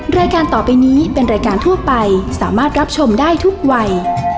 รายการต่อไปนี้เป็นรายการทั่วไปสามารถรับชมได้ทุกวัย